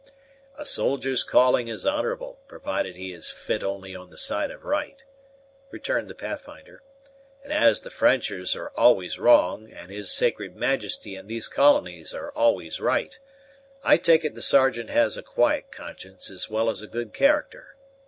"A soldier's calling is honorable, provided he has fi't only on the side of right," returned the Pathfinder; "and as the Frenchers are always wrong, and his sacred Majesty and these colonies are always right, I take it the Sergeant has a quiet conscience as well as a good character.